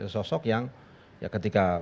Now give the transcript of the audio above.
sosok yang ketika